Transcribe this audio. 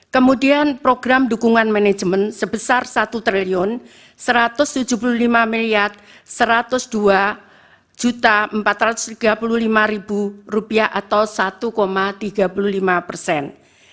kemudian program dukungan manajemen sebesar rp satu satu ratus tujuh puluh lima satu ratus dua empat ratus tiga puluh lima atau satu tiga puluh lima persen